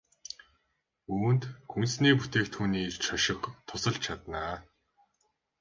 Үүнд хүнсний бүтээгдэхүүний шошго тусалж чадна.